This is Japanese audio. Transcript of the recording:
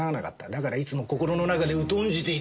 だからいつも心の中で疎んじていた。